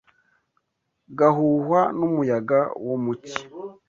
gahuhwa n’umuyaga wo mu cyi